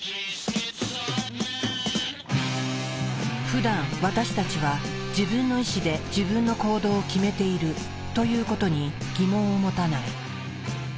ふだん私たちは自分の意志で自分の行動を決めているということに疑問を持たない。